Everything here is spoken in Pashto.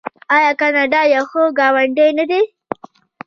آیا کاناډا یو ښه ګاونډی نه دی؟